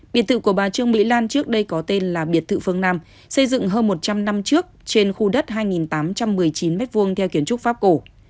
biệt thự của bà trương mỹ lan trước đây có tên là biệt thự phương nam xây dựng hơn một trăm linh năm trước trên khu đất hai tám trăm một mươi chín m hai theo kiến trúc pháp cổ